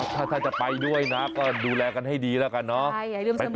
ถ้าจะไปด้วยนะก็ดูแลกันให้ดีแล้วกันเนาะ